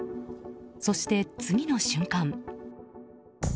そして次の瞬間。